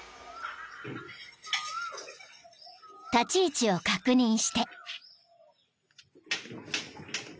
［立ち位置を確認して］